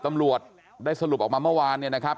ตำรวจได้สรุปออกมาเมื่อวานเนี่ยนะครับ